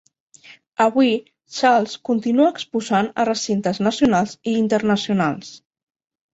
Avui, Charles continua exposant a recintes nacionals i internacionals.